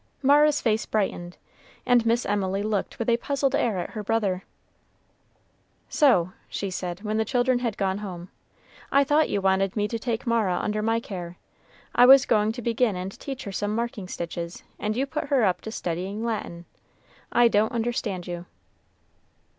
Mara's face brightened, and Miss Emily looked with a puzzled air at her brother. "So," she said, when the children had gone home, "I thought you wanted me to take Mara under my care. I was going to begin and teach her some marking stitches, and you put her up to studying Latin. I don't understand you."